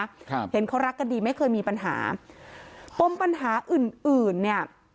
ครับเห็นเขารักกันดีไม่เคยมีปัญหาปมปัญหาอื่นอื่นเนี้ย